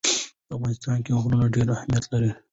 په افغانستان کې غرونه ډېر اهمیت لري.